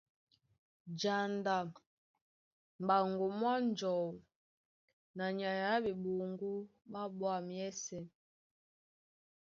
Janda m̀ɓaŋgo mwá njɔu na nyay á ɓeɓoŋgó ɓá ɓwǎm̀ yɛ́sɛ̄.